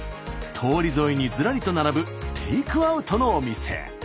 通り沿いにずらりと並ぶテイクアウトのお店。